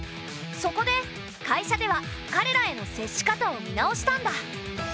そこで会社ではかれらへの接し方を見直したんだ。